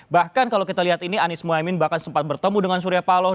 bahkan kalau kita lihat ini anies mohaimin bahkan sempat bertemu dengan surya paloh